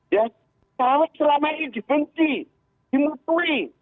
ya sawit selama ini dibenci dimutui